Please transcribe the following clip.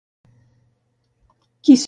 Qui s'abaixa, Déu l'alça.